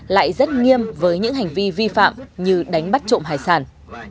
lại rất nghiêm với những hành vi vi phạm như đánh bắt trộm hải sản